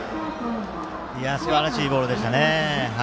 すばらしいボールでしたね。